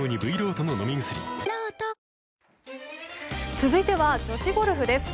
続いては女子ゴルフです。